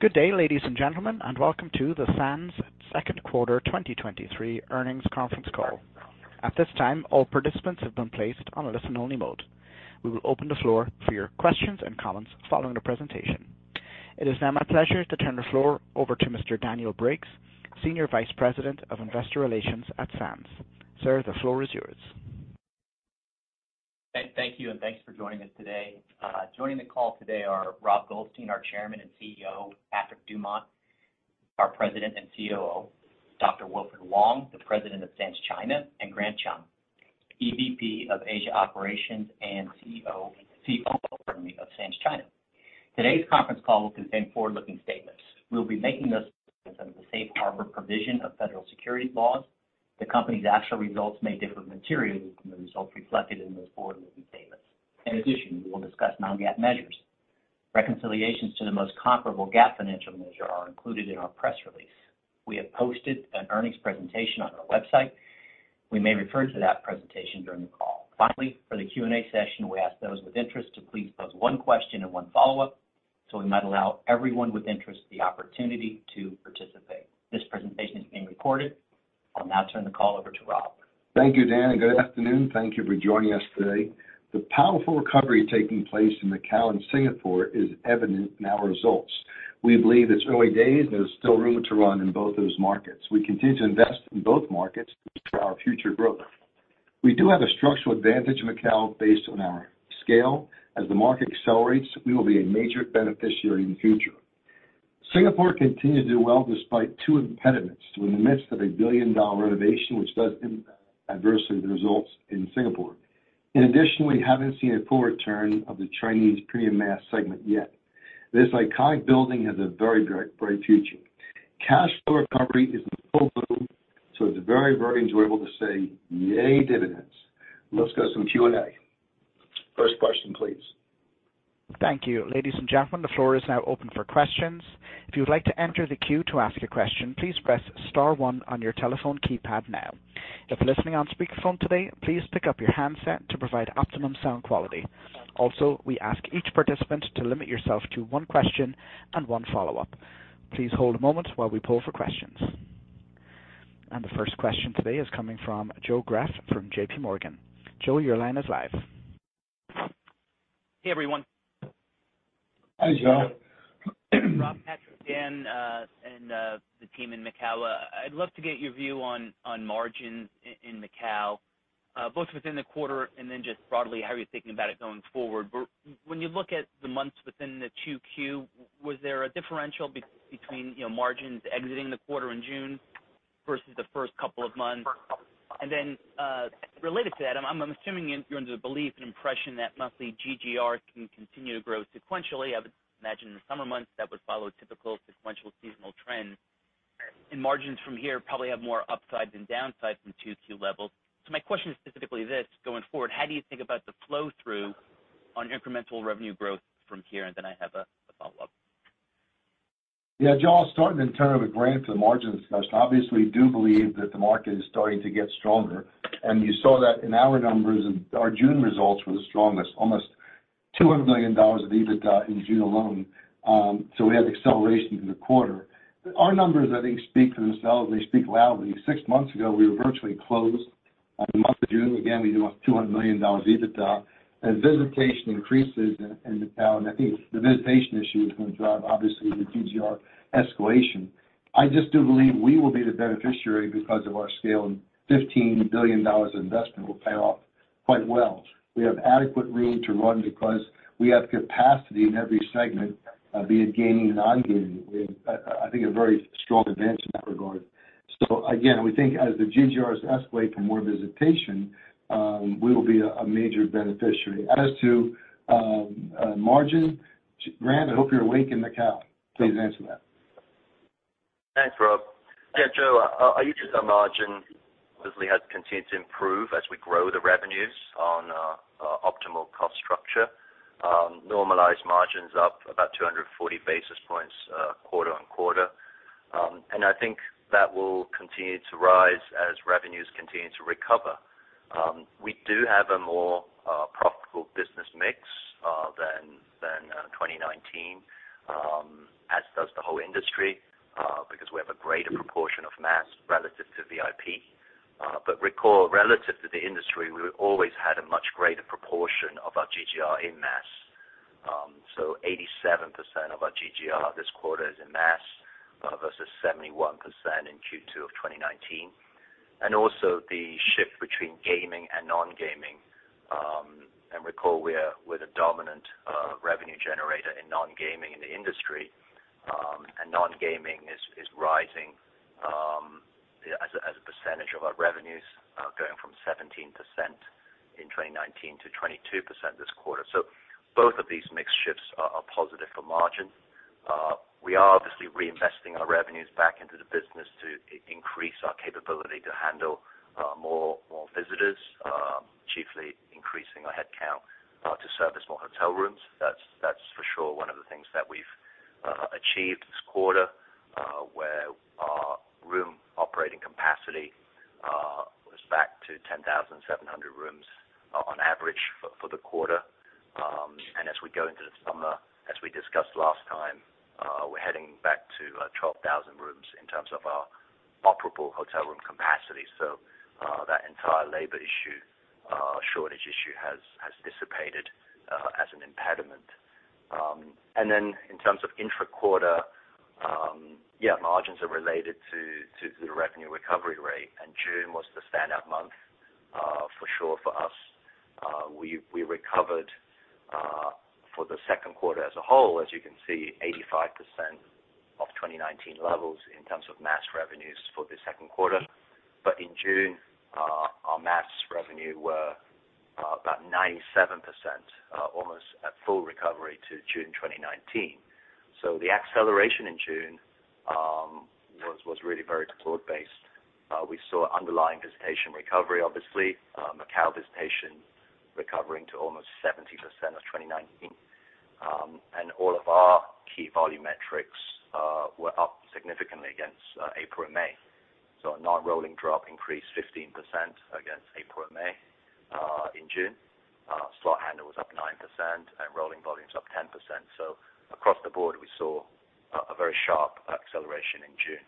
Good day, ladies and gentlemen, welcome to the Sands Second Quarter 2023 Earnings Conference Call. At this time, all participants have been placed on a listen-only mode. We will open the floor for your questions and comments following the presentation. It is now my pleasure to turn the floor over to Mr. Daniel Briggs, Senior Vice President of Investor Relations at Sands. Sir, the floor is yours, Thank you. Thanks for joining us today. Joining the call today are Robert Goldstein, our Chairman and CEO; Patrick Dumont, our President and COO; Dr. Wilfred Wong, the President of Sands China; and Grant Chum, EVP of Asia Operations and CFO, pardon me, of Sands China. Today's conference call will contain forward-looking statements. We'll be making those under the safe harbor provision of federal securities laws. The company's actual results may differ materially from the results reflected in those forward-looking statements. In addition, we will discuss non-GAAP measures. Reconciliations to the most comparable GAAP financial measure are included in our press release. We have posted an earnings presentation on our website. We may refer to that presentation during the call. For the Q&A session, we ask those with interest to please pose one question and one follow-up, so we might allow everyone with interest the opportunity to participate. This presentation is being recorded. I'll now turn the call over to Rob. Thank you, Dan, and good afternoon. Thank you for joining us today. The powerful recovery taking place in Macao and Singapore is evident in our results. We believe it's early days, and there's still room to run in both those markets. We continue to invest in both markets for our future growth. We do have a structural advantage in Macao based on our scale. As the market accelerates, we will be a major beneficiary in the future. Singapore continued to do well despite two impediments. We're in the midst of a billion-dollar renovation, which does impact adversely the results in Singapore. In addition, we haven't seen a full return of the Chinese premium mass segment yet. This iconic building has a very bright future. Cash flow recovery is in full bloom, so it's very, very enjoyable to say, "Yay, dividends!" Let's go to some Q&A. First question, please. Thank you. Ladies and gentlemen, the floor is now open for questions. If you would like to enter the queue to ask a question, please press star one on your telephone keypad now. If you're listening on speakerphone today, please pick up your handset to provide optimum sound quality. Also, we ask each participant to limit yourself to one question and one follow-up. Please hold a moment while we poll for questions. The first question today is coming from Joe Greff from JPMorgan. Joe, your line is live. Hey, everyone. Hi, Joe. Rob, Patrick, Dan, and the team in Macao, I'd love to get your view on margins in Macao, both within the quarter and then just broadly, how are you thinking about it going forward. When you look at the months within the 2Q, was there a differential between, you know, margins exiting the quarter in June versus the first couple of months? Then, related to that, I'm assuming you're under the belief and impression that monthly GGR can continue to grow sequentially. I would imagine in the summer months, that would follow a typical sequential seasonal trend. Margins from here probably have more upside than downside from 2Q levels. My question is specifically this: going forward, how do you think about the flow-through on incremental revenue growth from here? Then I have a follow-up. Joe, I'll start and then turn it over to Grant for the margin discussion. Obviously, we do believe that the market is starting to get stronger, and you saw that in our numbers. Our June results were the strongest, almost $200 million of EBITDA in June alone. We had acceleration in the quarter. Our numbers, I think, speak for themselves, and they speak loudly. Six months ago, we were virtually closed. In the month of June, again, we do have $200 million EBITDA. Visitation increases in Macao, and I think the visitation issue is going to drive, obviously, the GGR escalation. I just do believe we will be the beneficiary because of our scale. Fifteen billion dollars of investment will pay off quite well. We have adequate room to run because we have capacity in every segment, be it gaming and non-gaming. We have, I think, a very strong advantage in that regard. Again, we think as the GGRs escalate to more visitation, we will be a major beneficiary. As to margin, Grant, I hope you're awake in Macao. Please answer that. Thanks, Rob. Yeah, Joe, our EBITDA margin obviously has continued to improve as we grow the revenues on optimal cost structure. normalized margin's up about 240 basis points quarter on quarter. I think that will continue to rise as revenues continue to recover. We do have a more profitable business mix than 2019, as does the whole industry, because we have a greater proportion of mass relative to VIP. Recall, relative to the industry, we've always had a much greater proportion of our GGR in mass. 87% of our GGR this quarter is in mass, versus 71% in Q2 of 2019. Also, the shift between gaming and non-gaming, and recall we're the dominant revenue generator in non-gaming in the industry, and non-gaming is rising as a percentage of our revenues, going from 17% in 2019 to 22% this quarter. Both of these mix shifts are positive for margin. We are obviously reinvesting our revenues back into the business to increase our capability to handle more visitors, chiefly increasing our headcount to service more hotel rooms. That's for sure one of the things that we've achieved this quarter, where our room operating capacity... than 700 rooms on average for the quarter. As we go into the summer, as we discussed last time, we're heading back to 12,000 rooms in terms of our operable hotel room capacity. That entire labor issue, shortage issue has dissipated as an impediment. In terms of intra-quarter, margins are related to the revenue recovery rate, and June was the standout month for sure for us. We recovered for the second quarter as a whole, as you can see, 85% of 2019 levels in terms of mass revenues for the second quarter. In June, our mass revenue were about 97%, almost at full recovery to June 2019. The acceleration in June was really very broad-based. We saw underlying visitation recovery, obviously. Macau visitation recovering to almost 70% of 2019. All of our key volume metrics were up significantly against April and May. Our non-rolling drop increased 15% against April and May in June. Slot handle was up 9%, and rolling volume was up 10%. Across the board, we saw a very sharp acceleration in June.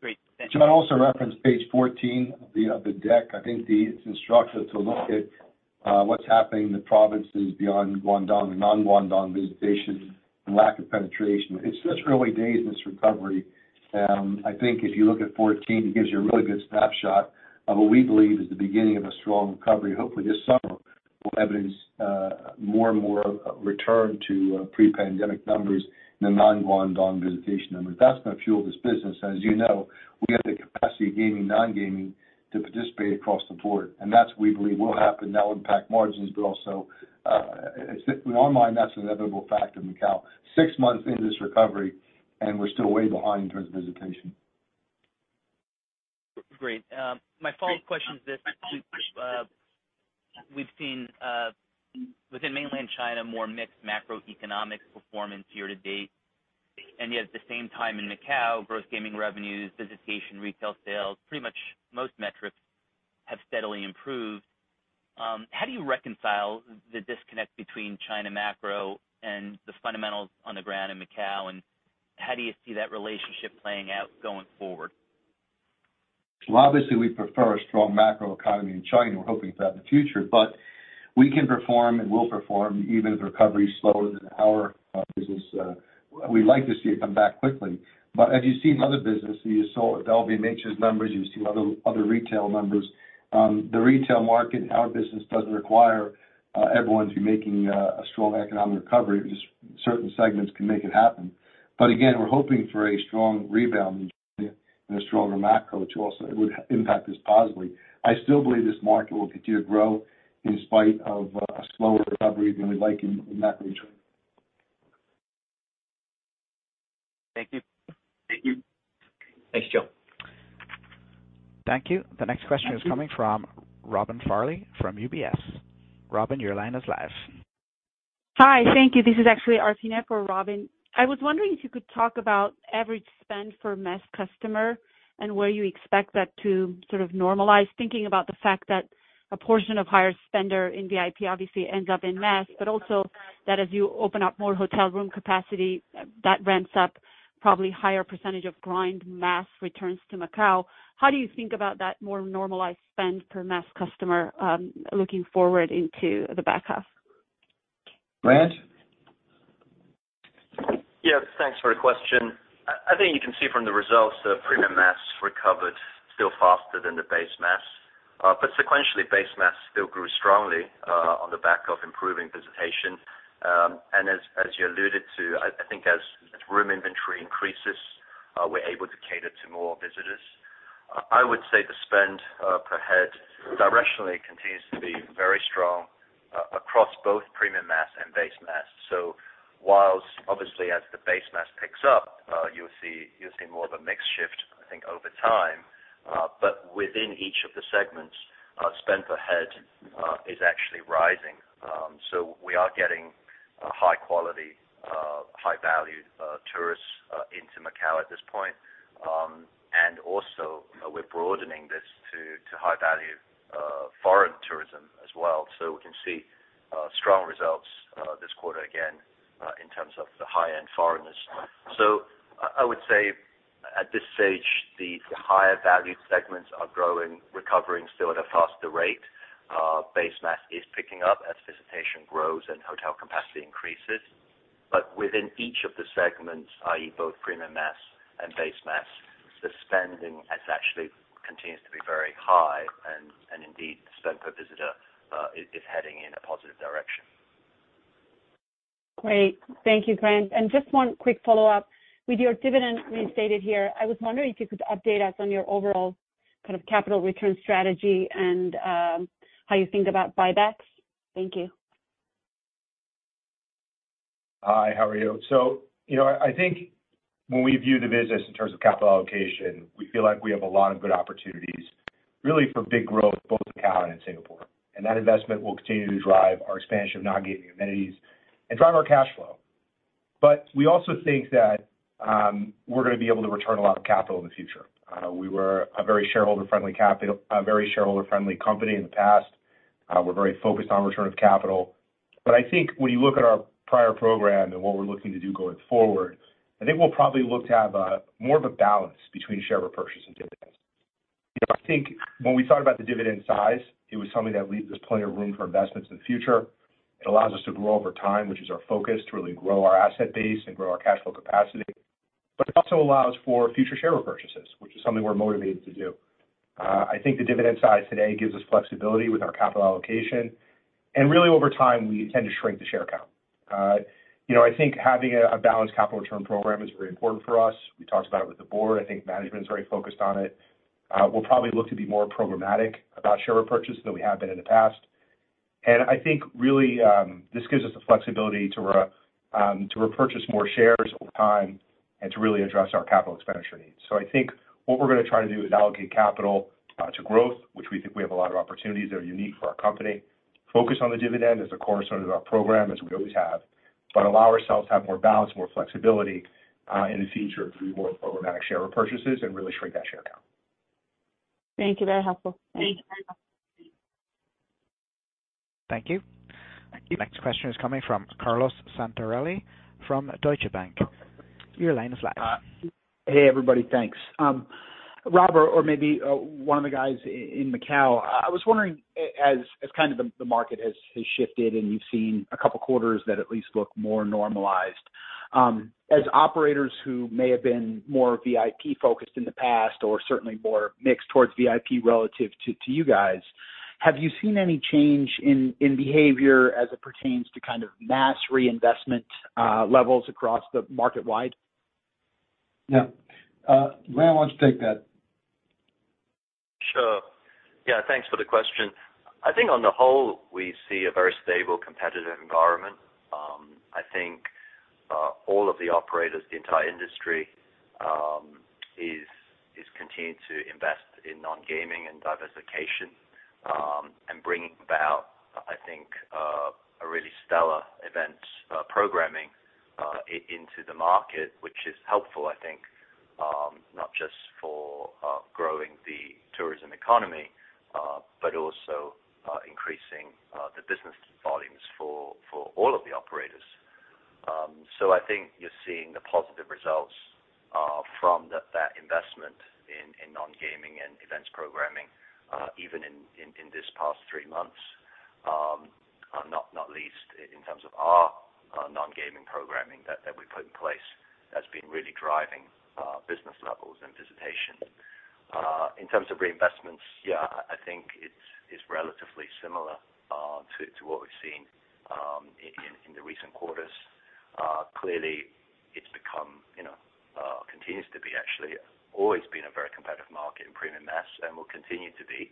Great. Thank you. Joe, I'd also reference page 14 of the deck. I think it's instructive to look at what's happening in the provinces beyond Guangdong and non-Guangdong visitation and lack of penetration. It's such early days in this recovery, I think if you look at 14, it gives you a really good snapshot of what we believe is the beginning of a strong recovery. Hopefully, this summer will evidence more and more return to pre-pandemic numbers in the non-Guangdong visitation number. That's going to fuel this business, and as you know, we have the capacity of gaming, non-gaming to participate across the board. That's, we believe, will happen, that will impact margins, but also, it's, in our mind, that's an inevitable factor in Macau. 6 months into this recovery, we're still way behind in terms of visitation. Great. My follow-up question is this: We've seen, within mainland China, more mixed macroeconomics performance year to date. At the same time in Macau, gross gaming revenues, visitation, retail sales, pretty much most metrics have steadily improved. How do you reconcile the disconnect between China macro and the fundamentals on the ground in Macau, and how do you see that relationship playing out going forward? Well, obviously, we prefer a strong macro economy in China. We're hoping for that in the future. We can perform and will perform even if recovery is slower than our business. We'd like to see it come back quickly. As you see in other businesses, you saw LVMH's numbers, you've seen other retail numbers. The retail market in our business doesn't require everyone to be making a strong economic recovery. Just certain segments can make it happen. Again, we're hoping for a strong rebound in China and a stronger macro, which also would impact us positively. I still believe this market will continue to grow in spite of a slower recovery than we'd like in macro China. Thank you. Thank you. Thanks, Joe. Thank you. The next question is coming from Robin Farley from UBS. Robyn, your line is live. Hi, thank you. This is actually Arthina for Robyn. I was wondering if you could talk about average spend for mass customer and where you expect that to sort of normalize, thinking about the fact that a portion of higher spender in VIP obviously ends up in mass. Also, that as you open up more hotel room capacity, that ramps up probably higher percentage of grind mass returns to Macau. How do you think about that more normalized spend per mass customer, looking forward into the back half? Grant? Yeah, thanks for the question. I think you can see from the results, the premium mass recovered still faster than the base mass. Sequentially, base mass still grew strongly on the back of improving visitation. As you alluded to, I think as room inventory increases, we're able to cater to more visitors. I would say the spend per head directionally continues to be very strong across both premium mass and base mass. Whilst obviously as the base mass picks up, you'll see more of a mix shift, I think, over time. Within each of the segments, spend per head is actually rising. We are getting high quality, high value tourists into Macau at this point. We're broadening this to high value, foreign tourism as well. We can see, strong results, this quarter again, in terms of the high-end foreigners. I would say, at this stage, the higher value segments are growing, recovering still at a faster rate. Base mass is picking up as visitation grows and hotel capacity increases. Within each of the segments, i.e, both premium mass and base mass, the spending has actually continues to be very high, and indeed, spend per visitor, is heading in a positive direction. Great. Thank you, Grant. Just one quick follow-up. With your dividend reinstated here, I was wondering if you could update us on your overall kind of capital return strategy and, how you think about buybacks. Thank you. Hi, how are you? You know, I think when we view the business in terms of capital allocation, we feel like we have a lot of good opportunities, really for big growth, both in Macau and Singapore. That investment will continue to drive our expansion of non-gaming amenities and drive our cash flow. We also think that, we're going to be able to return a lot of capital in the future. We were a very shareholder-friendly company in the past. We're very focused on return of capital. I think when you look at our prior program and what we're looking to do going forward, I think we'll probably look to have more of a balance between share repurchase and dividends. You know, I think when we thought about the dividend size, it was something that leaves there's plenty of room for investments in the future. It allows us to grow over time, which is our focus, to really grow our asset base and grow our cash flow capacity. It also allows for future share repurchases, which is something we're motivated to do. I think the dividend size today gives us flexibility with our capital allocation. Really, over time, we intend to shrink the share count. You know, I think having a balanced capital return program is very important for us. We talked about it with the board. I think management is very focused on it. We'll probably look to be more programmatic about share repurchase than we have been in the past. I think really, this gives us the flexibility to repurchase more shares over time and to really address our capital expenditure needs. I think what we're going to try to do is allocate capital to growth, which we think we have a lot of opportunities that are unique for our company. Focus on the dividend as a cornerstone of our program, as we always have, but allow ourselves to have more balance, more flexibility, in the future to do more programmatic share repurchases and really shrink that share count. Thank you. Very helpful. Thank you very much. Thank you. The next question is coming from Carlo Santarelli, from Deutsche Bank. Your line is live. Hey, everybody. Thanks. Robert, or maybe one of the guys in Macau, I was wondering, as kind of the market has shifted, and you've seen a couple quarters that at least look more normalized. As operators who may have been more VIP focused in the past, or certainly more mixed towards VIP relative to you guys, have you seen any change in behavior as it pertains to kind of mass reinvestment, levels across the market wide? No. Grant, why don't you take that? Sure. Yeah, thanks for the question. I think on the whole, we see a very stable, competitive environment. I think all of the operators, the entire industry is continuing to invest in non-gaming and diversification and bringing about, I think, a really stellar event programming into the market, which is helpful, I think, not just for growing the tourism economy, but also increasing the business volumes for all of the operators. I think you're seeing the positive results from that investment in non-gaming and events programming even in this past three months. Not least in terms of our non-gaming programming that we put in place, that's been really driving business levels and visitation. In terms of reinvestments, yeah, I think it's relatively similar to what we've seen in the recent quarters. Clearly, it's become, you know, continues to be, actually, always been a very competitive market in premium mass and will continue to be.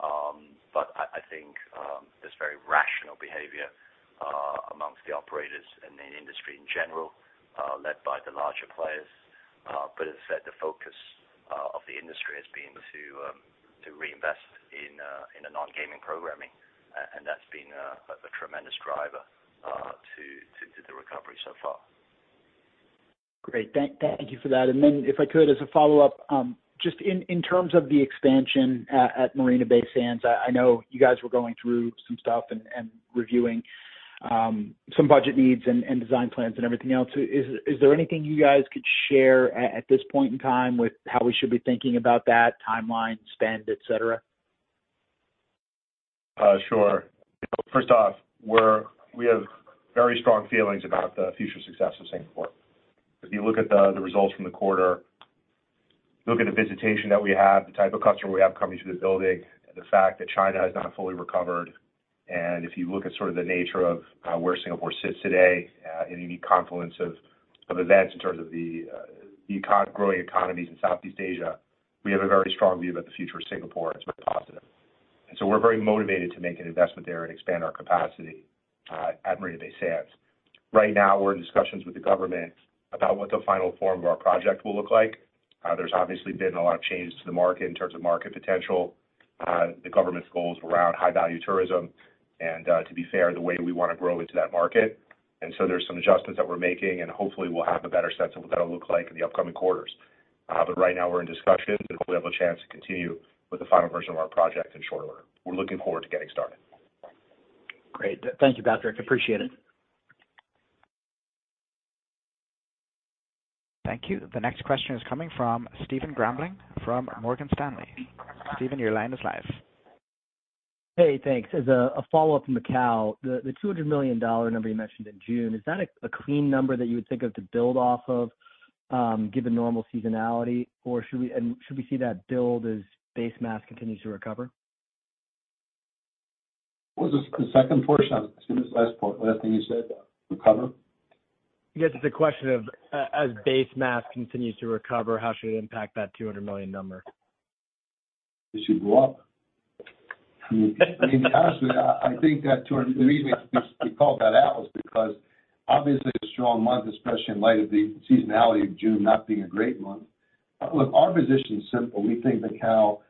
I think, there's very rational behavior amongst the operators and the industry in general, led by the larger players. As I said, the focus of the industry has been to reinvest in a non-gaming programming, and that's been a tremendous driver to the recovery so far. Great. Thank you for that. If I could, as a follow-up, just in terms of the expansion at Marina Bay Sands, I know you guys were going through some stuff and reviewing some budget needs and design plans and everything else. Is there anything you guys could share at this point in time with how we should be thinking about that timeline, spend, et cetera? Sure. First off, we have very strong feelings about the future success of Singapore. If you look at the results from the quarter, look at the visitation that we have, the type of customer we have coming through the building, the fact that China has not fully recovered, and if you look at sort of the nature of where Singapore sits today, in a unique confluence of events in terms of the growing economies in Southeast Asia, we have a very strong view about the future of Singapore, and it's very positive. We're very motivated to make an investment there and expand our capacity at Marina Bay Sands. Right now, we're in discussions with the government about what the final form of our project will look like. There's obviously been a lot of change to the market in terms of market potential, the government's goals around high-value tourism, and to be fair, the way we want to grow into that market. There's some adjustments that we're making, and hopefully, we'll have a better sense of what that'll look like in the upcoming quarters. Right now, we're in discussion, and hopefully, we'll have a chance to continue with the final version of our project in short order. We're looking forward to getting started. Great. Thank you, Patrick. Appreciate it. Thank you. The next question is coming from Stephen Grambling, from Morgan Stanley. Steven, your line is live. Hey, thanks. As a follow-up to Macau, the $200 million number you mentioned in June, is that a clean number that you would think of to build off of, given normal seasonality, or and should we see that build as base mass continues to recover? What was the second portion? I didn't see this last part, last thing you said, recover? I guess it's a question of, as base mass continues to recover, how should it impact that $200 million number? It should go up. I mean, honestly, I think that 200... The reason we called that out was because obviously, a strong month, especially in light of the seasonality of June, not being a great month. Look, our position is simple: We think Macau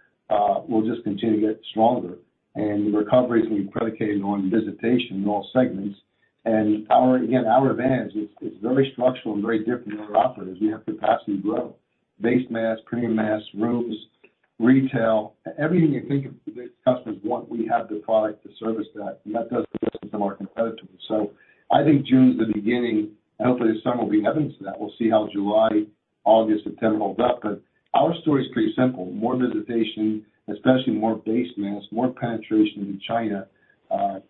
will just continue to get stronger, and the recovery is going to be predicated on visitation in all segments. Our, again, our advantage is very structural and very different from other operators. We have capacity to grow. Base mass, premium mass, rooms, retail, everything you can think of, the customers want, we have the product to service that, and that does differ from our competitors. I think June is the beginning, and hopefully, the summer will be evidence to that. We'll see how July, August, September holds up. Our story is pretty simple: more visitation, especially more base mass, more penetration in China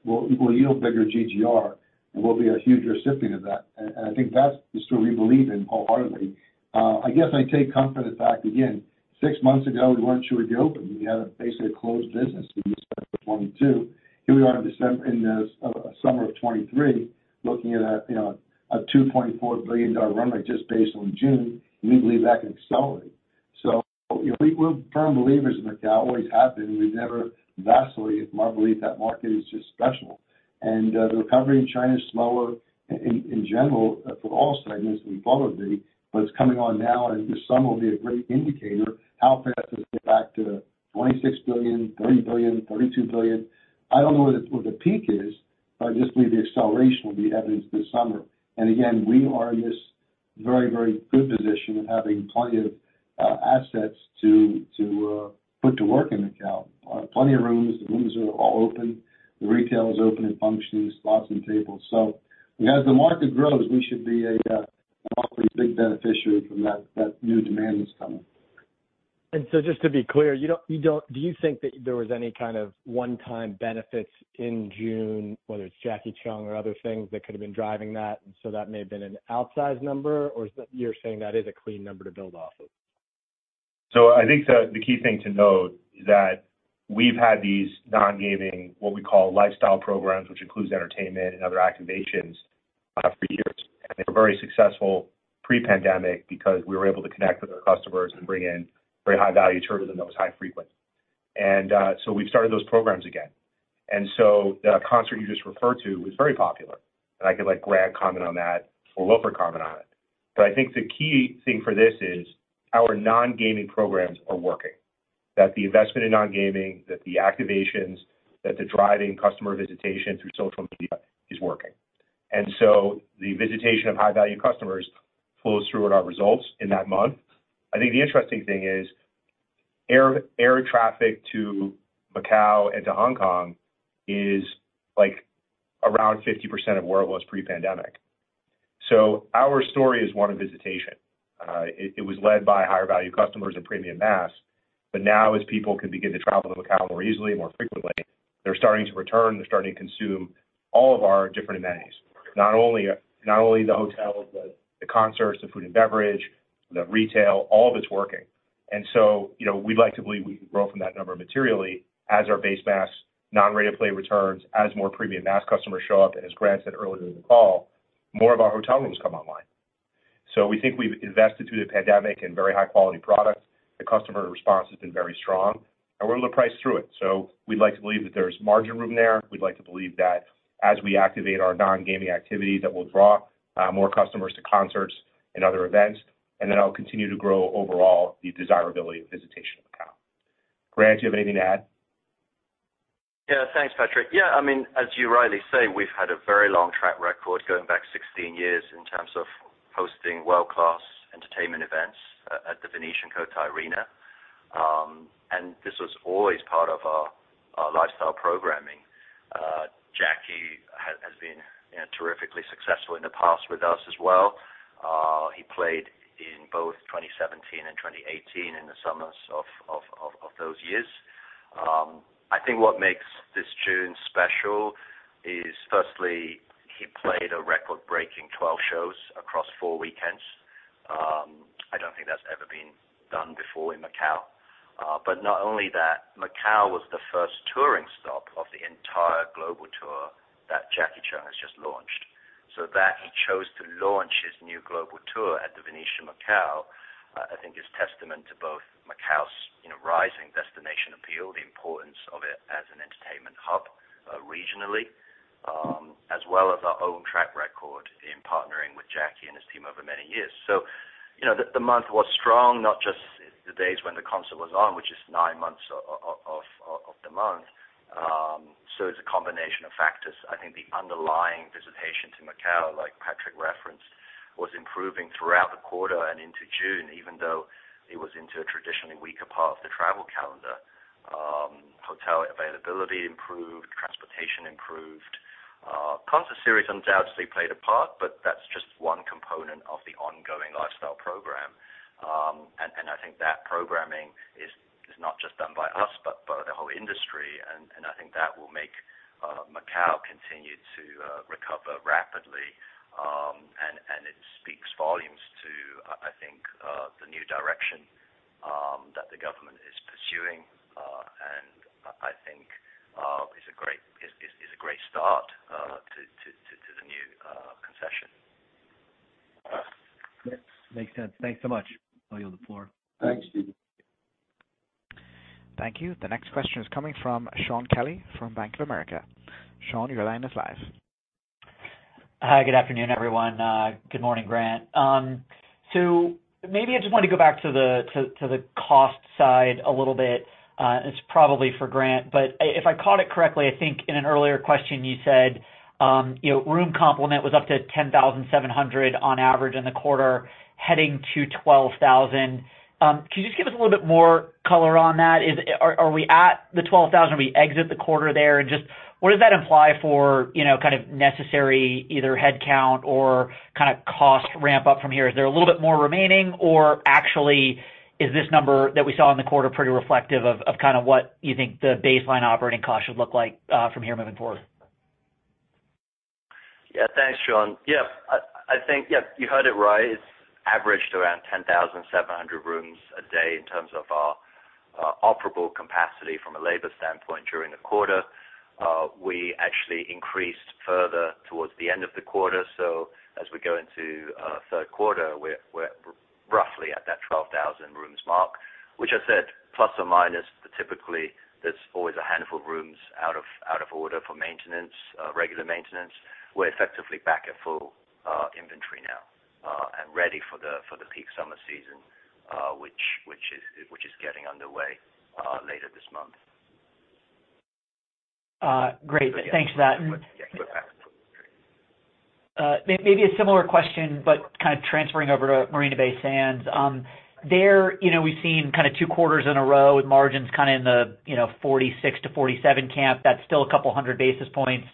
will yield bigger GGR, and we'll be a huge recipient of that. I think that's the story we believe in wholeheartedly. I guess I take comfort in the fact, again, six months ago, we weren't sure we'd be open. We had a basically a closed business in December of 2022. Here we are in the summer of 2023, looking at a, you know, a $2.4 billion run rate just based on June. We believe that can accelerate. You know, we're firm believers in Macau, always have been. We've never vacillated in our belief. That market is just special. The recovery in China is slower in general for all segments than we thought it would be, but it's coming on now, and this summer will be a great indicator how fast it'll go back to $26 billion, $30 billion, $32 billion. I don't know what the peak is, but I just believe the acceleration will be evidenced this summer. Again, we are in this very, very good position of having plenty of assets to put to work in Macau. Plenty of rooms. The rooms are all open. The retail is open and functioning, slots and tables. As the market grows, we should be a awfully big beneficiary from that new demand that's coming. Just to be clear, do you think that there was any kind of one-time benefits in June, whether it is Jackie Chan or other things, that could have been driving that, so that may have been an outsized number? Is that you are saying that is a clean number to build off of? I think the key thing to note is that we've had these non-gaming, what we call lifestyle programs, which includes entertainment and other activations for years. They were very successful pre-pandemic because we were able to connect with our customers and bring in very high-value tourism that was high frequency. We've started those programs again. The concert you just referred to was very popular, and I could let Grant comment on that or Wilfred comment on it. I think the key thing for this is our non-gaming programs are working. That the investment in non-gaming, that the activations, that the driving customer visitation through social media is working. The visitation of high-value customers flows through in our results in that month. I think the interesting thing is, air traffic to Macau and to Hong Kong is, like, around 50% of where it was pre-pandemic. Our story is one of visitation. It was led by higher-value customers and premium mass, but now as people can begin to travel to Macau more easily and more frequently, they're starting to return, they're starting to consume all of our different amenities. Not only the hotel, but the concerts, the food and beverage, the retail, all of it's working. You know, we'd like to believe we can grow from that number materially as our base mass, non-rate of play returns, as more premium mass customers show up, and as Grant said earlier in the call, more of our hotel rooms come online. We think we've invested through the pandemic in very high-quality products. The customer response has been very strong, and we're going to price through it. We'd like to believe that there's margin room there. We'd like to believe that as we activate our non-gaming activities, that we'll draw more customers to concerts and other events, and then it'll continue to grow overall, the desirability of visitation of Macau. Grant, do you have anything to add? Thanks, Patrick. I mean, as you rightly say, we've had a very long track record going back 16 years in terms of hosting world-class entertainment events at the Venetian Cotai Arena. And this was always part of our lifestyle programming. Jackie has been, you know, terrifically successful in the past with us as well. He played in both 2017 and 2018, in the summers of those years. I think what makes this June special is, firstly, he played a record-breaking 12 shows across 4 weekends. I don't think that's ever been done before in Macau. Not only that, Macau was the first touring stop of the entire global tour that Jackie Chan has just launched. That he chose to launch his new global tour at the Venetian Macau, I think is testament to both Macau's, you know, rising destination appeal, the importance of it as an entertainment hub, regionally, as well as our own track record in partnering with Jackie and his team over many years. You know, the month was strong, not just the days when the concert was on, which is nine months of the month. It's a combination of factors. I think the underlying visitation to Macau, like Patrick referenced, was improving throughout the quarter and into June, even though it was into a traditionally weaker part of the travel calendar. Hotel availability improved, transportation improved. Concert series undoubtedly played a part, but that's just one component of the ongoing lifestyle program. I think that programming is not just done by us, but by the whole industry, and I think that will make Macau continue to recover rapidly. It speaks volumes to, I think, the new direction that the government is pursuing, and I think, is a great, is a great start, to the new concession. Makes sense. Thanks so much. I yield the floor. Thanks.... Thank you. The next question is coming from Shaun Kelley from Bank of America. Shaun, your line is live. Hi, good afternoon, everyone. Good morning, Grant. Maybe I just want to go back to the cost side a little bit. It's probably for Grant, but if I caught it correctly, I think in an earlier question, you said, you know, room complement was up to 10,700 on average in the quarter, heading to 12,000. Could you just give us a little bit more color on that? Are we at the 12,000 when we exit the quarter there? Just what does that imply for, you know, kind of necessary either headcount or kind of cost ramp up from here? Is there a little bit more remaining? Actually, is this number that we saw in the quarter pretty reflective of kind of what you think the baseline operating costs should look like from here moving forward? Yeah. Thanks, Shaun. I think you heard it right. It's averaged around 10,700 rooms a day in terms of our operable capacity from a labor standpoint during the quarter. We actually increased further towards the end of the quarter. As we go into third quarter, we're roughly at that 12,000 rooms mark, which I said, ±, but typically, there's always a handful of rooms out of order for maintenance, regular maintenance. We're effectively back at full inventory now and ready for the peak summer season, which is getting underway later this month. Great. Thanks for that. Yeah. Maybe a similar question, but kind of transferring over to Marina Bay Sands. There, you know, we've seen kind of 2 quarters in a row with margins kind of in the, you know, 46-47% camp. That's still a couple hundred basis points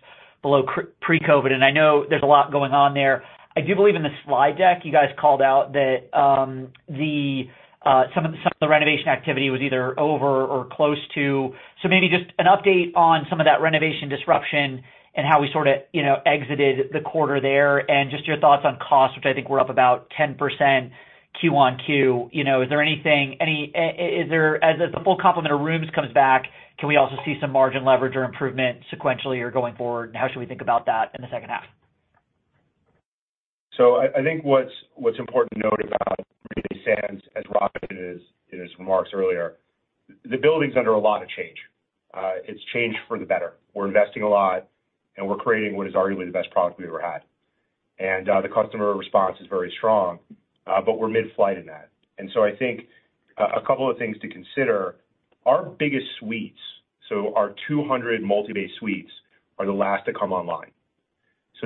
below pre-COVID, and I know there's a lot going on there. I do believe in the slide deck, you guys called out that the renovation activity was either over or close to. Maybe just an update on some of that renovation disruption and how we sort of, you know, exited the quarter there, and just your thoughts on cost, which I think were up about 10% Q-on-Q. You know, is there anything, any... As the full complement of rooms comes back, can we also see some margin leverage or improvement sequentially or going forward? How should we think about that in the second half? I think what's important to note about Marina Bay Sands, as Robert did in his remarks earlier, the building's under a lot of change. It's changed for the better. We're investing a lot, and we're creating what is arguably the best product we've ever had. The customer response is very strong, but we're mid-flight in that. I think a couple of things to consider, our biggest suites, so our 200 multi-bay suites, are the last to come online.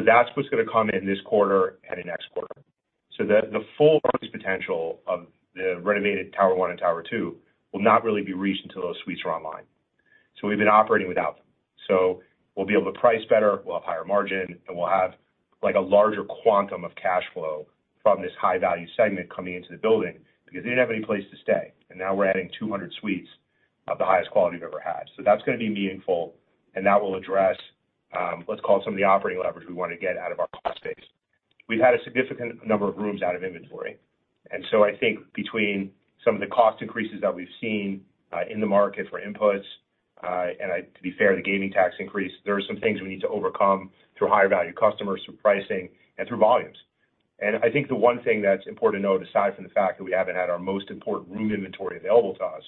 That's what's gonna come in this quarter and in next quarter. The full potential of the renovated Tower One and Tower Two will not really be reached until those suites are online. We've been operating without them. We'll be able to price better, we'll have higher margin, and we'll have, like, a larger quantum of cash flow from this high-value segment coming into the building because they didn't have any place to stay, and now we're adding 200 suites of the highest quality we've ever had. That's gonna be meaningful, and that will address, let's call it some of the operating leverage we wanna get out of our cost base. We've had a significant number of rooms out of inventory. I think between some of the cost increases that we've seen, in the market for inputs, to be fair, the gaming tax increase, there are some things we need to overcome through higher-value customers, through pricing, and through volumes. I think the one thing that's important to note, aside from the fact that we haven't had our most important room inventory available to us,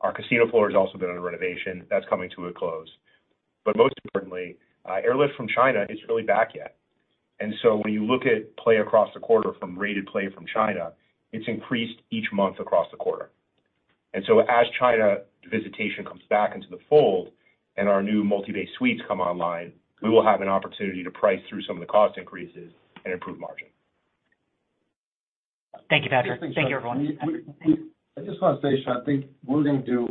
our casino floor has also been under renovation. That's coming to a close. Most importantly, airlift from China isn't really back yet. When you look at play across the quarter from rated play from China, it's increased each month across the quarter. As China visitation comes back into the fold and our new multi-bay suites come online, we will have an opportunity to price through some of the cost increases and improve margin. Thank you, Patrick. Thank you, everyone. I just wanna say, Shaun, I think moving to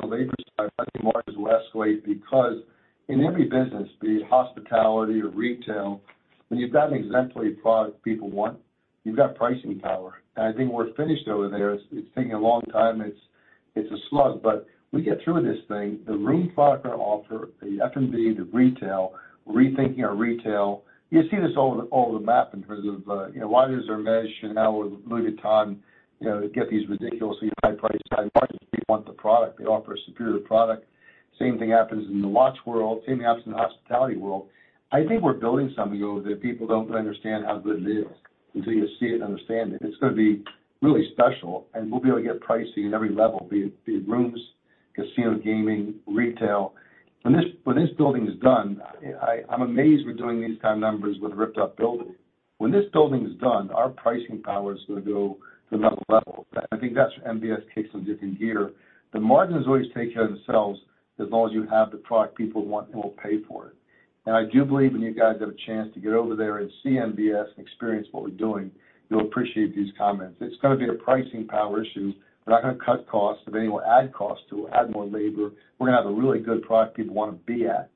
the labor side, I think margins will escalate because in every business, be it hospitality or retail, when you've got an exemplary product people want, you've got pricing power. I think when we're finished over there, it's taking a long time. It's a slug, we get through this thing, the room product we offer, the F&B, the retail, rethinking our retail. You see this all over the map in terms of, you know, why does Hermès and now Louis Vuitton, you know, get these ridiculously high prices? High margins. People want the product. They offer a superior product. Same thing happens in the watch world, same thing happens in the hospitality world. I think we're building something over there that people don't understand how good it is until you see it and understand it. It's gonna be really special, and we'll be able to get pricing at every level, be it rooms, casino, gaming, retail. When this building is done, I'm amazed we're doing these kind of numbers with a ripped-up building. When this building is done, our pricing power is gonna go to another level. I think that's what MBS takes them to a different gear. The margins always take care of themselves as long as you have the product people want and will pay for it. I do believe when you guys get a chance to get over there and see MBS and experience what we're doing, you'll appreciate these comments. It's gonna be a pricing power issue. We're not gonna cut costs. If anything, we'll add costs to add more labor. We're gonna have a really good product people wanna be at,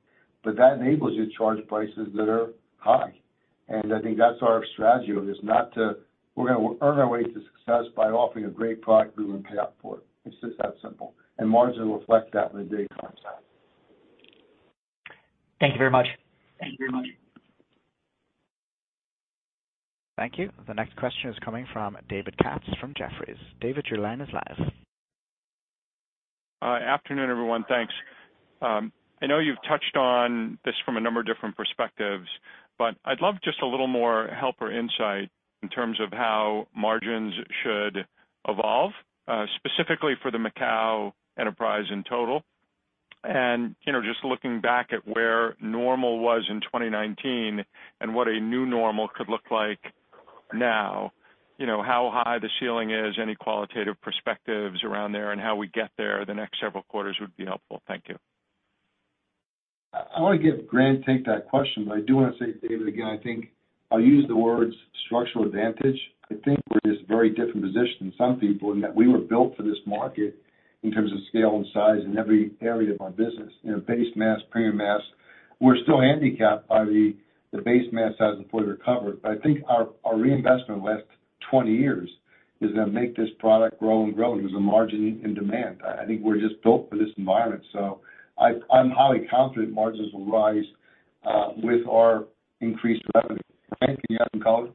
but that enables you to charge prices that are high. I think that's our strategy over there. We're gonna earn our way to success by offering a great product people are gonna pay up for. It's just that simple. Margin will reflect that when the day comes out. Thank you very much. Thank you very much. Thank you. The next question is coming from David Katz from Jefferies. David, your line is live. afternoon, everyone. Thanks.... I know you've touched on this from a number of different perspectives, but I'd love just a little more help or insight in terms of how margins should evolve, specifically for the Macau enterprise in total. You know, just looking back at where normal was in 2019 and what a new normal could look like now, you know, how high the ceiling is, any qualitative perspectives around there and how we get there the next several quarters would be helpful. Thank you. I want to give Grant take that question, but I do want to say, David, again, I think I'll use the words structural advantage. I think we're in this very different position than some people, in that we were built for this market in terms of scale and size in every area of our business. You know, base mass, premium mass. We're still handicapped by the base mass hasn't fully recovered, but I think our reinvestment in the last 20 years is going to make this product grow and grow. There's a margin in demand. I think we're just built for this environment. I'm highly confident margins will rise with our increased revenue. Grant, can you add any color?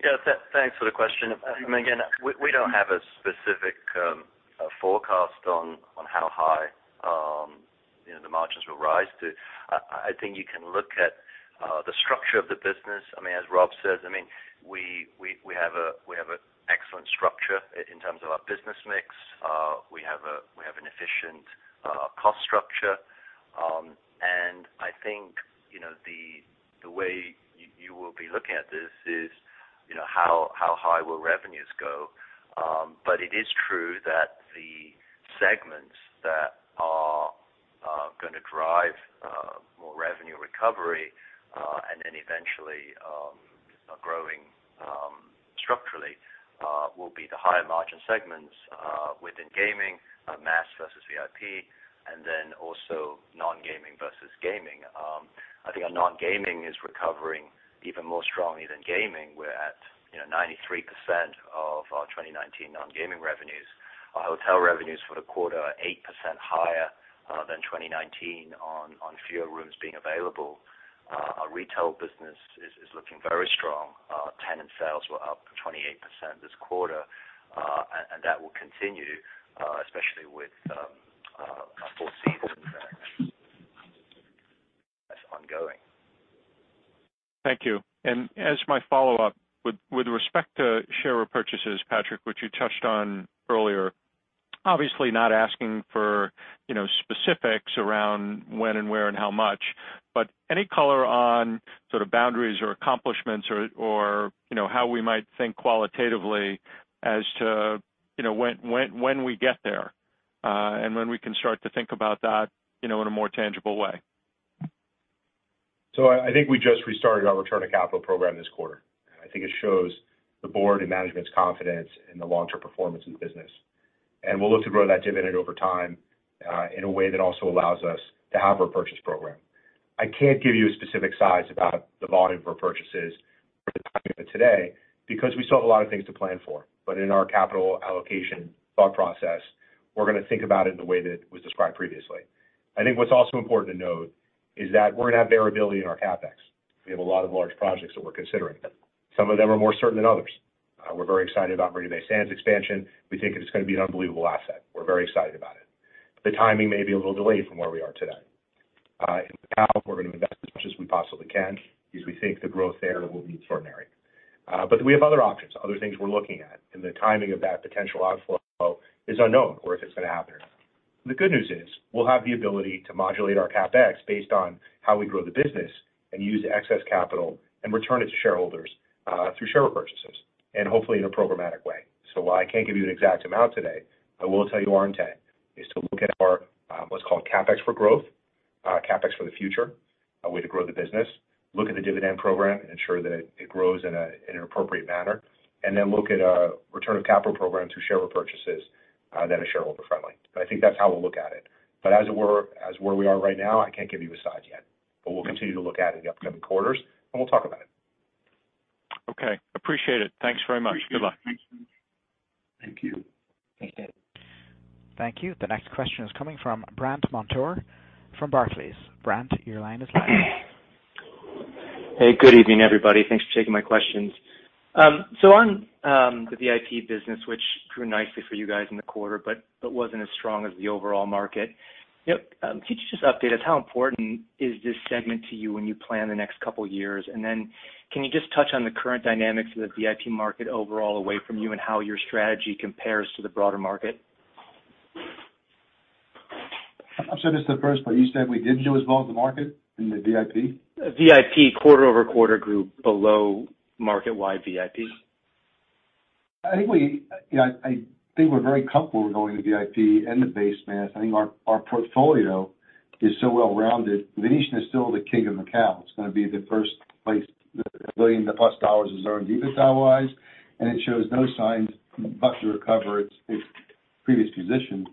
Yeah, thanks for the question. I mean, again, we don't have a specific forecast on how high, you know, the margins will rise to. I think you can look at the structure of the business. I mean, as Rob says, I mean, we have an excellent structure in terms of our business mix. We have an efficient cost structure. I think, you know, the way you will be looking at this is, you know, how high will revenues go? It is true that the segments that are going to drive more revenue recovery, and then eventually growing structurally, will be the higher margin segments within gaming, mass versus VIP, and then also non-gaming versus gaming. I think our non-gaming is recovering even more strongly than gaming. We're at, you know, 93% of our 2019 non-gaming revenues. Our hotel revenues for the quarter are 8% higher than 2019 on fewer rooms being available. Our retail business is looking very strong. Our tenant sales were up 28% this quarter, and that will continue especially with our Four Seasons that's ongoing. Thank you. As my follow-up, with respect to share repurchases, Patrick, which you touched on earlier, obviously not asking for, you know, specifics around when and where and how much, but any color on sort of boundaries or accomplishments or, you know, how we might think qualitatively as to, you know, when we get there, and when we can start to think about that, you know, in a more tangible way? I think we just restarted our return on capital program this quarter. I think it shows the board and management's confidence in the long-term performance of the business. We'll look to grow that dividend over time, in a way that also allows us to have a repurchase program. I can't give you a specific size about the volume of our purchases for the time being today, because we still have a lot of things to plan for. In our capital allocation thought process, we're going to think about it in the way that it was described previously. I think what's also important to note is that we're going to have variability in our CapEx. We have a lot of large projects that we're considering. Some of them are more certain than others. We're very excited about Marina Bay Sands expansion. We think it's going to be an unbelievable asset. We're very excited about it. The timing may be a little delayed from where we are today. In Macau, we're going to invest as much as we possibly can because we think the growth there will be extraordinary. We have other options, other things we're looking at, and the timing of that potential outflow is unknown, or if it's going to happen. The good news is, we'll have the ability to modulate our CapEx based on how we grow the business and use the excess capital and return it to shareholders, through share repurchases, and hopefully in a programmatic way. While I can't give you an exact amount today, I will tell you our intent is to look at our, what's called CapEx for growth, CapEx for the future, a way to grow the business, look at the dividend program and ensure that it grows in an appropriate manner, and then look at a return of capital program through share repurchases, that are shareholder friendly. I think that's how we'll look at it. As it were, as where we are right now, I can't give you a size yet, but we'll continue to look at it in the upcoming quarters, and we'll talk about it. Okay, appreciate it. Thanks very much. Appreciate it. Good luck. Thank you. Thank you. Thank you. The next question is coming from Brandt Montour from Barclays. Brant, your line is live. Hey, good evening, everybody. Thanks for taking my questions. On the VIP business, which grew nicely for you guys in the quarter, but wasn't as strong as the overall market, can you just update us, how important is this segment to you when you plan the next couple of years? Then can you just touch on the current dynamics of the VIP market overall away from you and how your strategy compares to the broader market? I'm sorry, just the first part, you said we didn't do as well as the market in the VIP? VIP quarter-over-quarter grew below market-wide VIP. I think we, you know, I think we're very comfortable with going to VIP and the base mass. I think our portfolio is so well-rounded. Venetian is still the king of Macau. It's going to be the first place, $1 billion-plus is earned EBITDA-wise, and it shows no signs but to recover its previous position.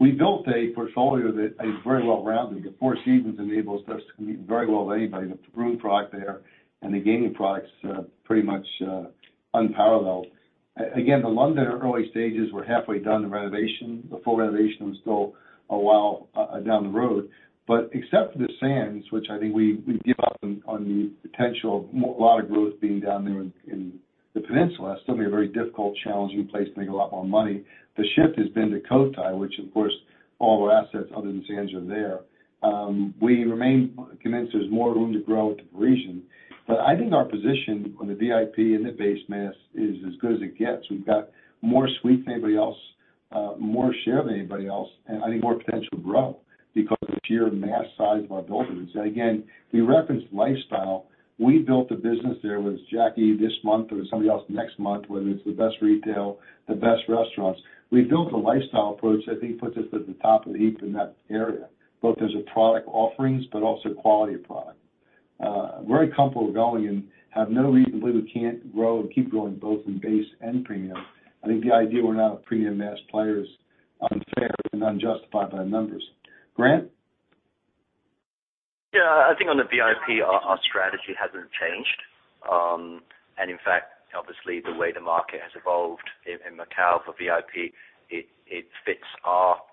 We built a portfolio that is very well-rounded. The Four Seasons enables us to compete very well with anybody. The room product there and the gaming products are pretty much unparalleled. Again, the London early stages, we're halfway done the renovation. The full renovation is still a while down the road. Except for the Sands, which I think we give up on the potential of a lot of growth being down there in Macau. The peninsula is certainly a very difficult, challenging place to make a lot more money. The shift has been to Cotai, which of course, all our assets other than Sands are there. We remain convinced there's more room to grow in the region. I think our position on the VIP and the base mass is as good as it gets. We've got more suites than anybody else, more share than anybody else, and I think more potential to grow because of the sheer mass size of our buildings. Again, we referenced lifestyle. We built a business there, whether it's Jackie Chan this month or somebody else next month, whether it's the best retail, the best restaurants. We built a lifestyle approach that I think puts us at the top of the heap in that area, both as a product offerings, but also quality of product. very comfortable with going and have no reason to believe we can't grow and keep growing both in base and premium. I think the idea we're now a premium mass player is unfair and unjustified by the numbers. Grant? Yeah, I think on the VIP, our strategy hasn't changed. In fact, obviously, the way the market has evolved in Macau for VIP, it fits our strategy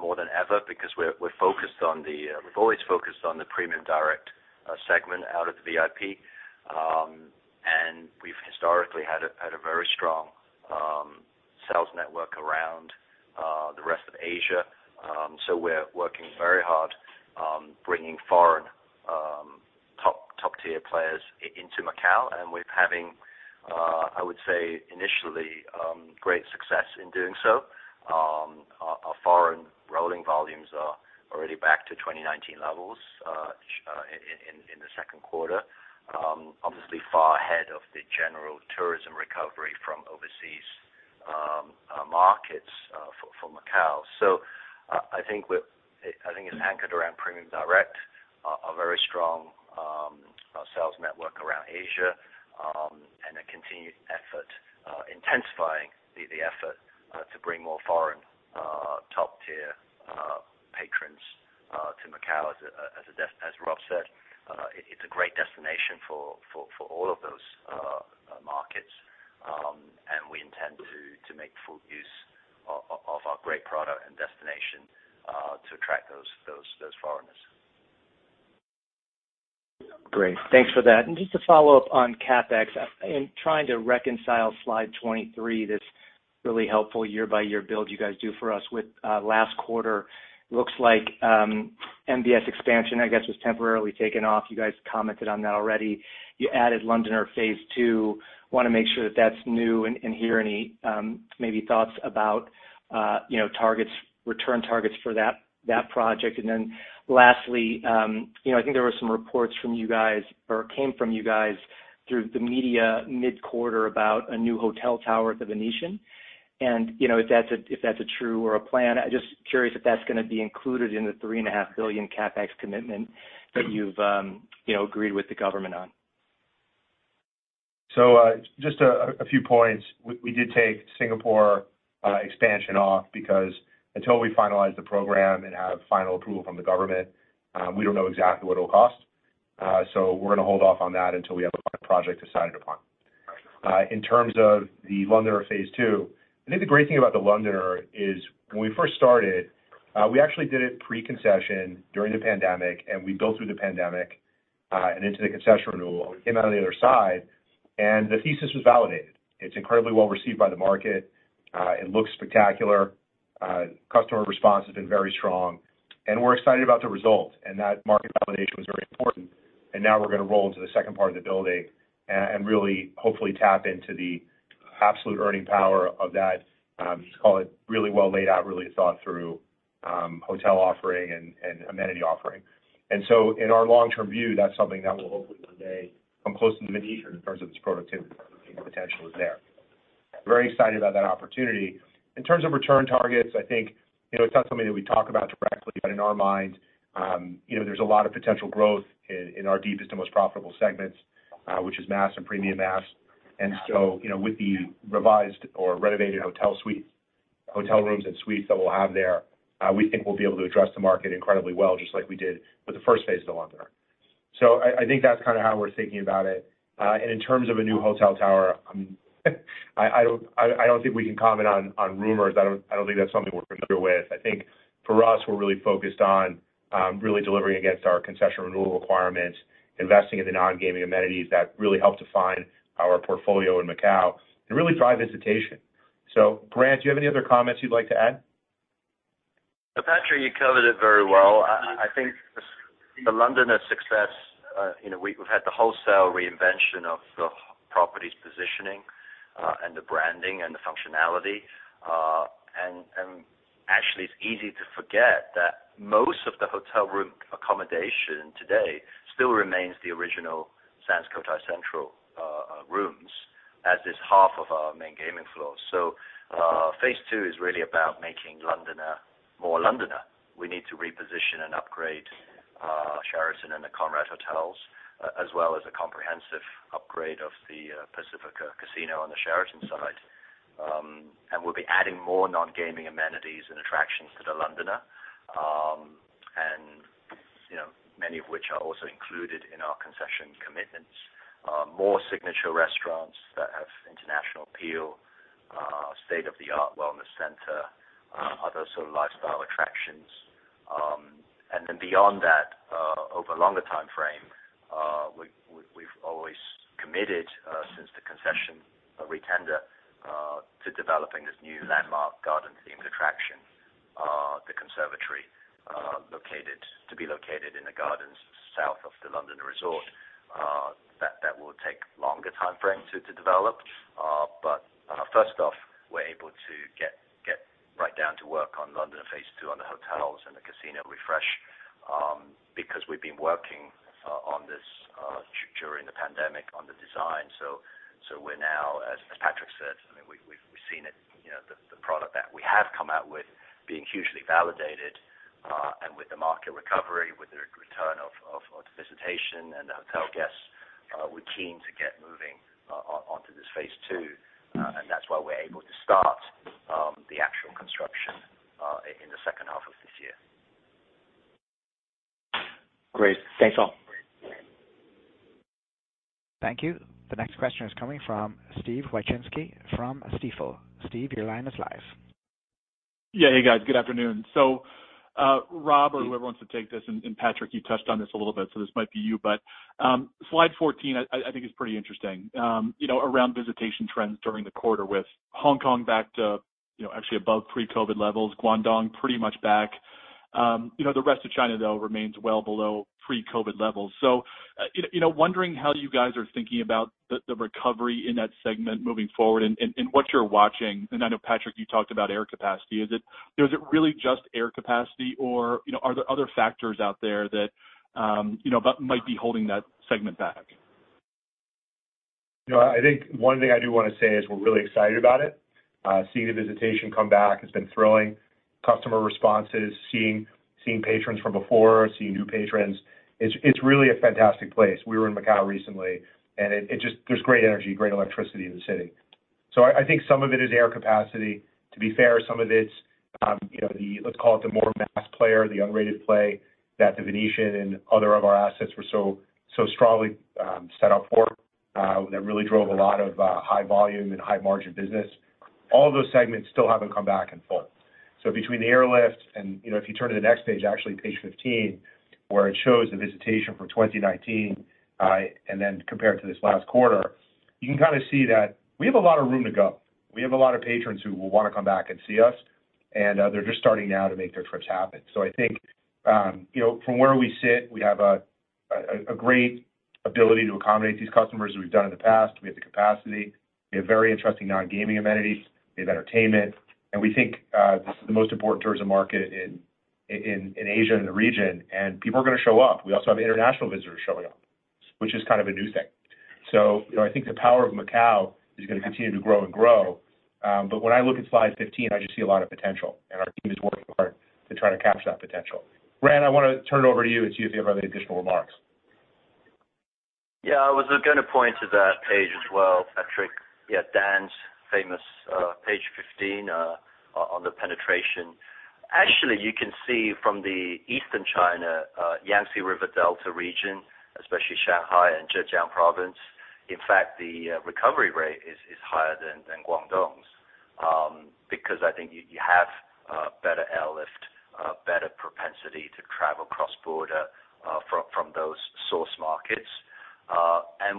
more than ever because we're focused on the premium direct segment out of the VIP. We've historically had a very strong sales network around the rest of Asia. We're working very hard bringing foreign top-tier players into Macau, and we're having, I would say, initially, great success in doing so. Our foreign rolling volumes are already back to 2019 levels in the second quarter, obviously far ahead of the general tourism recovery from overseas markets for Macau. I think it's anchored around premium direct, a very strong sales network around Asia, and a continued effort, intensifying the effort to bring more foreign, top-tier patrons to Macau. As Rob said, it's a great destination for all of those markets, and we intend to make full use of our great product and destination to attract those foreigners. Great. Thanks for that. Just to follow up on CapEx, I'm trying to reconcile slide 23. That's really helpful year-by-year build you guys do for us with last quarter. Looks like MBS expansion, I guess, was temporarily taken off. You guys commented on that already. You added Londoner phase II. Want to make sure that that's new and hear any, maybe thoughts about, you know, targets, return targets for that project. Lastly, you know, I think there were some reports from you guys or came from you guys through the media mid-quarter about a new hotel tower at the Venetian. You know, if that's a, if that's a true or a plan, I'm just curious if that's going to be included in the three and a half billion CapEx commitment that you've, you know, agreed with the government on? Just a few points. We did take Singapore expansion off because until we finalize the program and have final approval from the government, we don't know exactly what it'll cost. We're going to hold off on that until we have a project decided upon. In terms of The Londoner phase II, I think the great thing about The Londoner is when we first started, we actually did it pre-concession during the pandemic, and we built through the pandemic and into the concession renewal. We came out on the other side, and the thesis was validated. It's incredibly well received by the market. It looks spectacular. Customer response has been very strong, and we're excited about the results, and that market validation was very important. Now we're going to roll into the second part of the building and really, hopefully tap into the absolute earning power of that, let's call it, really well laid out, really thought through, hotel offering and amenity offering. In our long-term view, that's something that will hopefully one day come close to the Venetian in terms of its productivity. The potential is there. Very excited about that opportunity. In terms of return targets, I think, you know, it's not something that we talk about directly, but in our minds, you know, there's a lot of potential growth in our deepest and most profitable segments, which is mass and premium mass. You know, with the revised or renovated hotel suites, hotel rooms and suites that we'll have there, we think we'll be able to address the market incredibly well, just like we did with the first phase of the Londoner. I think that's kind of how we're thinking about it. In terms of a new hotel tower, I don't think we can comment on rumors. I don't think that's something we're familiar with. I think for us, we're really focused on really delivering against our concession renewal requirements, investing in the non-gaming amenities that really help define our portfolio in Macau and really drive visitation. Grant, do you have any other comments you'd like to add? No, Patrick, you covered it very well. I think the Londoner success, you know, we've had the wholesale reinvention of the property's positioning, and the branding and the functionality. Actually, it's easy to forget that most of the hotel room accommodation today still remains the original Sands Cotai Central rooms, as is half of our main gaming floor. Phase II is really about making Londoner more Londoner. We need to reposition and upgrade Sheraton and the Conrad hotels, as well as a comprehensive upgrade of the Pacifica Casino on the Sheraton side. We'll be adding more non-gaming amenities and attractions to the Londoner, you know, many of which are also included in our concession commitments. more signature restaurants that have international appeal, state-of-the-art wellness center, other sort of lifestyle attractions. Beyond that, over a longer time frame, we've always committed, since the concession retender, to developing this new landmark garden-themed attraction, The Conservatory, to be located in the gardens south of The London Resort. That will take longer time frame to develop. First off, we're able to get right down to work on London phase II, on the hotels and the casino refresh, because we've been working on this during the pandemic on the design. We're now, as Patrick said, I mean, we've seen it, you know, the product that we have come out with being hugely validated, and with the market recovery, with the return of visitation and the hotel guests, we're keen to get moving on to this phase II. That's why we're able to start the actual construction in the second half of this year. Great. Thanks, all. Thank you. The next question is coming from Steven Wieczynski from Stifel. Steve, your line is live. Yeah. Hey, guys. Good afternoon. Rob, or whoever wants to take this, and Patrick, you touched on this a little bit, so this might be you. Slide 14, I think is pretty interesting, you know, around visitation trends during the quarter with Hong Kong back to, you know, actually above pre-COVID levels, Guangdong pretty much back. You know, the rest of China, though, remains well below pre-COVID levels. You know, wondering how you guys are thinking about the recovery in that segment moving forward and what you're watching. I know, Patrick, you talked about air capacity. Is it really just air capacity, or, you know, are there other factors out there that, you know, but might be holding that segment back? You know, I think one thing I do wanna say is we're really excited about it. Seeing the visitation come back has been thrilling. Customer responses, seeing patrons from before, seeing new patrons, it's really a fantastic place. We were in Macau recently, and it just, there's great energy, great electricity in the city. I think some of it is air capacity. To be fair, some of it's, you know, the, let's call it the more mass player, the underrated play, that The Venetian and other of our assets were so strongly set up for, that really drove a lot of high volume and high margin business. All of those segments still haven't come back in full. Between the airlift and, you know, if you turn to the next page, actually page 15, where it shows the visitation for 2019, and then compared to this last quarter, you can kind of see that we have a lot of room to go. We have a lot of patrons who will wanna come back and see us, they're just starting now to make their trips happen. I think, you know, from where we sit, we have a great ability to accommodate these customers as we've done in the past. We have the capacity. We have very interesting non-gaming amenities, we have entertainment, and we think this is the most important tourism market in Asia and the region, and people are gonna show up. We also have international visitors showing up, which is kind of a new thing. You know, I think the power of Macau is gonna continue to grow and grow. When I look at slide 15, I just see a lot of potential, and our team is working hard to try to capture that potential. Ran, I wanna turn it over to you and see if you have any additional remarks. Yeah, I was gonna point to that page as well, Patrick. Yeah, Dan's famous page 15 on the penetration. Actually, you can see from the Eastern China, Yangtze River Delta region, especially Shanghai and Zhejiang Province, in fact, the recovery rate is higher than Guangdong's, because I think you have better airlift, better propensity to travel cross-border from those source markets.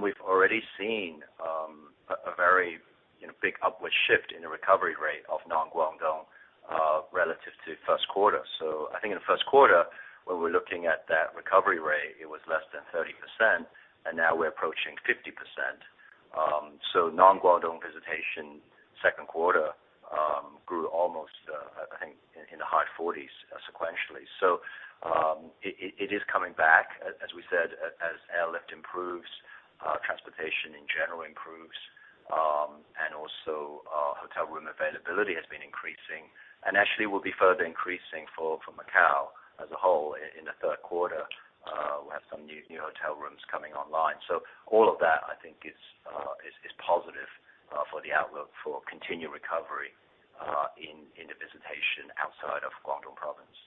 We've already seen a very, you know, big upward shift in the recovery rate of non-Guangdong relative to first quarter. I think in the first quarter, when we're looking at that recovery rate, it was less than 30%, and now we're approaching 50%. Non-Guangdong visitation, second quarter, grew almost, I think in the high 40s, sequentially. It is coming back, as we said, as airlift improves, transportation in general improves, and also hotel room availability has been increasing. Actually will be further increasing for Macau as a whole in the third quarter. We have some new hotel rooms coming online. All of that, I think is positive for the outlook for continued recovery in the visitation outside of Guangdong province.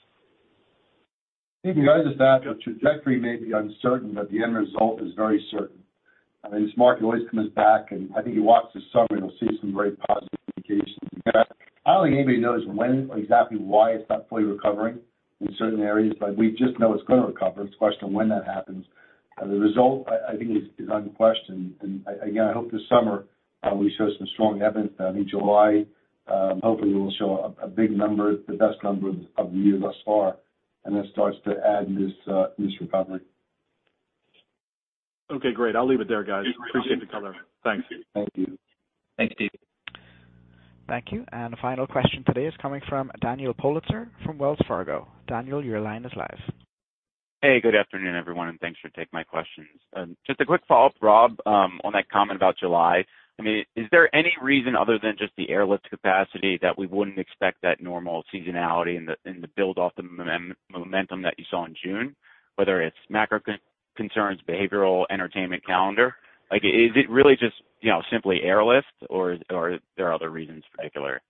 Maybe guys, is that the trajectory may be uncertain, but the end result is very certain. I mean, this market always comes back, and I think you watch this summer and you'll see some very positive indications. I don't think anybody knows when or exactly why it's not fully recovering in certain areas, but we just know it's gonna recover. It's a question of when that happens. The result, I think, is unquestioned. Again, I hope this summer, we show some strong evidence. I mean, July, hopefully we'll show a big number, the best number of the year thus far, and that starts to add this recovery. Okay, great. I'll leave it there, guys. Appreciate the color. Thanks. Thank you. Thank you. Thank you. The final question today is coming from Daniel Politzer, from Wells Fargo. Daniel, your line is live. Hey, good afternoon, everyone, and thanks for taking my questions. Just a quick follow-up, Rob, on that comment about July. I mean, is there any reason other than just the airlift capacity, that we wouldn't expect that normal seasonality and the build off the momentum that you saw in June, whether it's macro concerns, behavioral, entertainment, calendar? Like, is it really just, you know, simply airlift, or there are other reasons in particular?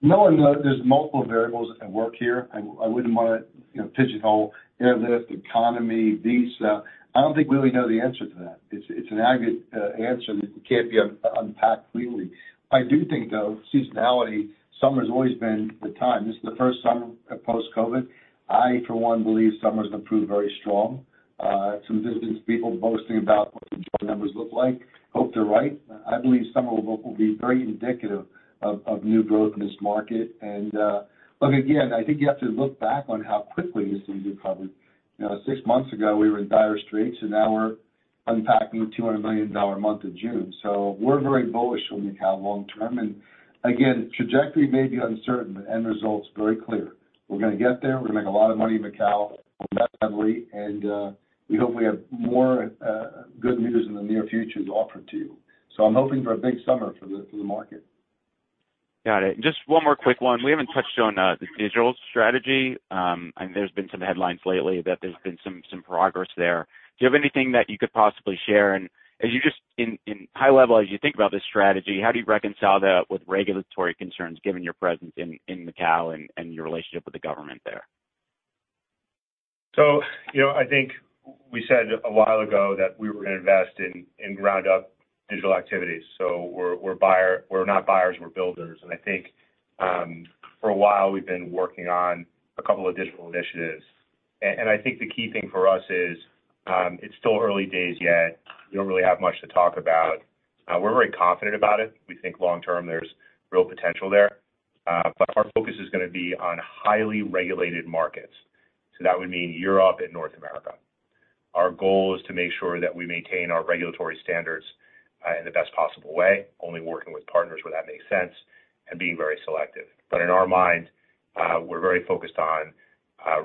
No, no, there's multiple variables at work here. I wouldn't wanna, you know, pigeonhole airlift, economy, visa. I don't think we really know the answer to that. It's an aggregate answer that can't be unpacked clearly. I do think, though, seasonality, summer's always been the time. This is the first summer post-COVID. I, for one, believe summer's gonna prove very strong. Some business people boasting numbers look like. Hope they're right. I believe some of them will be very indicative of new growth in this market. Look, again, I think you have to look back on how quickly this thing recovered. You know, six months ago, we were in dire straits, and now we're unpacking $200 million month of June. We're very bullish on Macao long term. Again, trajectory may be uncertain, but end result's very clear. We're gonna get there, we're gonna make a lot of money in Macao, and, we hope we have more, good news in the near future to offer to you. I'm hoping for a big summer for the market. Got it. Just one more quick one. We haven't touched on, the digital strategy. There's been some headlines lately that there's been some progress there. Do you have anything that you could possibly share? As you in high level, as you think about this strategy, how do you reconcile that with regulatory concerns, given your presence in Macao and your relationship with the government there? You know, I think we said a while ago that we were going to invest in round up digital activities. We're not buyers, we're builders. I think for a while, we've been working on a couple of digital initiatives. I think the key thing for us is, it's still early days yet. We don't really have much to talk about. We're very confident about it. We think long term, there's real potential there. Our focus is gonna be on highly regulated markets. That would mean Europe and North America. Our goal is to make sure that we maintain our regulatory standards, in the best possible way, only working with partners where that makes sense and being very selective. In our mind, we're very focused on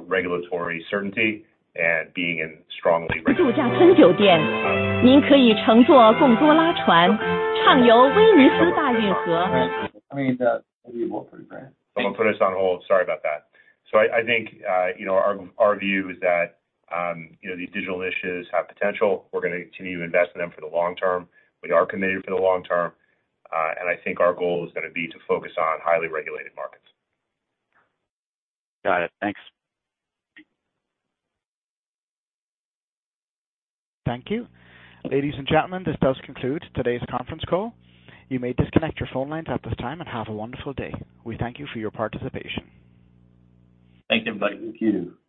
regulatory certainty and being in strongly regulated. Someone put us on hold. Sorry about that. I think, you know, our view is that, you know, these digital initiatives have potential. We're gonna continue to invest in them for the long term. We are committed for the long term, and I think our goal is gonna be to focus on highly regulated markets. Got it. Thanks. Thank you. Ladies and gentlemen, this does conclude today's conference call. You may disconnect your phone lines at this time and have a wonderful day. We thank you for your participation. Thank you, everybody. Thank you.